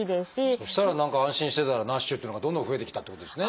そしたら何か安心してたらＮＡＳＨっていうのがどんどん増えてきたっていうことですね。